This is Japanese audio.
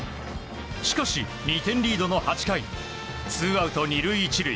しかし２点リードの８回ツーアウト２塁１塁。